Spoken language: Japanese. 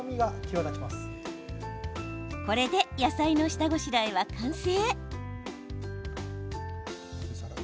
これで野菜の下ごしらえは完成。